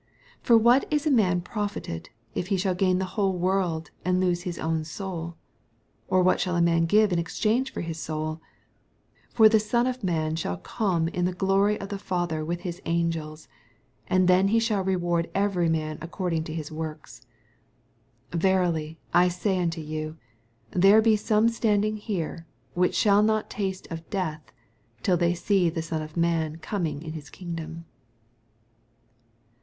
26 For what is a man profited, if he shall gain the whole world, and lose his own soul? or what shall a man ^ve in exchange for his soul f 27 For the Son of man shall oome in the glory of his Father with his angels : and then he shall reward every man according to his works. 28 Verily I say unto you. There he some standiDfi^ here, whicn shall not taste of death, till the^ see the Son of man coming in his kingdom.